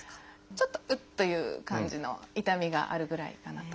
ちょっと「うっ」という感じの痛みがあるぐらいかなと。